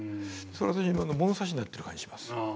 それが私今の物差しになってる感じします。